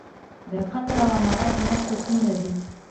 د قطر او اماراتو مرستې څومره دي؟